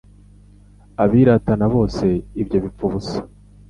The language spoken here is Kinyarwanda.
abiratana bose ibyo bipfabusa